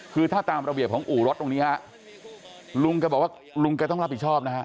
คือถ้าตามระเบียบของอู่รถตรงนี้ฮะลุงแกบอกว่าลุงแกต้องรับผิดชอบนะฮะ